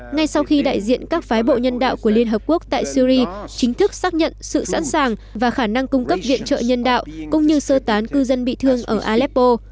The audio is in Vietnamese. ngay sau khi đại diện các phái bộ nhân đạo của liên hợp quốc tại syri chính thức xác nhận sự sẵn sàng và khả năng cung cấp viện trợ nhân đạo cũng như sơ tán cư dân bị thương ở aleppo